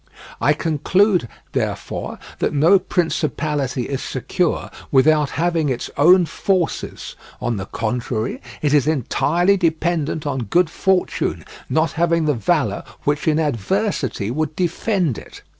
I conclude, therefore, that no principality is secure without having its own forces; on the contrary, it is entirely dependent on good fortune, not having the valour which in adversity would defend it.